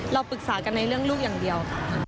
เราปรึกษากันในเรื่องลูกอย่างเดียวค่ะ